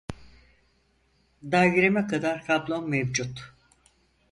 Daireme kadar kablom mevcut